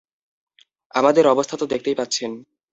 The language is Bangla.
আমাদের অবস্থা তো দেখতেই পাচ্ছেন।